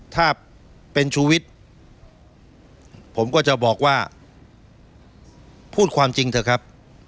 ถ้าเป็นชูวิทย์ผมก็จะบอกว่าพูดความจริงเถอะครับ